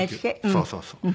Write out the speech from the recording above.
そうそうそう。